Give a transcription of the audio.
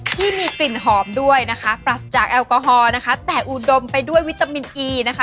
ที่มีกลิ่นหอมด้วยนะคะปรัสจากแอลกอฮอล์นะคะแต่อุดมไปด้วยวิตามินอีนะคะ